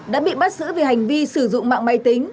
đã bị bắt giữ vì hành vi sử dụng mạng máy tính